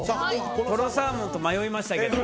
とろサーモンと迷いましたけど。